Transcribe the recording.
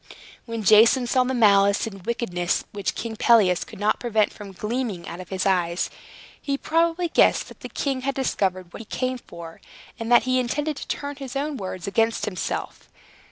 When Jason saw the malice and wickedness which King Pelias could not prevent from gleaming out of his eyes, he probably guessed that the king had discovered what he came for, and that he intended to turn his own words against himself.